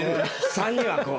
３人がこう。